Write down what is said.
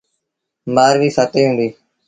مآرويٚ ستيٚ هُݩديٚ۔